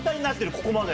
ここまで。